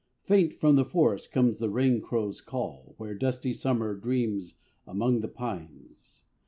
Faint from the forest comes the rain crow's call Where dusty Summer dreams among the pines.